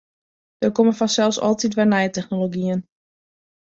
Der komme fansels altyd wer nije technologyen.